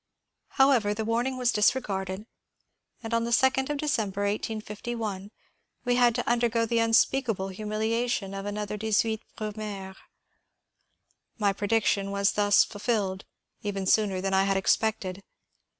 However, the warning was disregarded, and on the 2d of December, 1851, we had to undergo the unspeakable humili ation of another 18 Brumaire. My prediction was thus ful filled, even sooner than I expected.